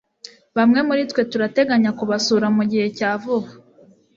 Bamwe muritwe turateganya kubasura mugihe cya vuba.